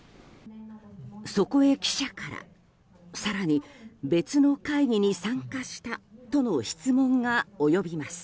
そこへ記者から更に別の会議に参加したとの質問が及びます。